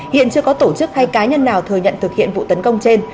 hiện chưa có tổ chức hay cá nhân nào thừa nhận thực hiện vụ tấn công trên